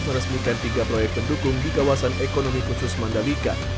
meresmikan tiga proyek pendukung di kawasan ekonomi khusus mandalika